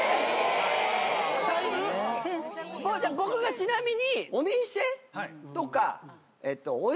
ちなみに。